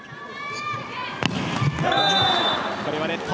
これはネット。